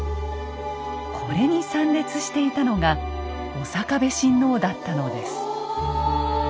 これに参列していたのが刑部親王だったのです。